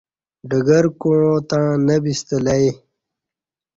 ڈگر کوعاں تݩع نہ بِستہ لہ ای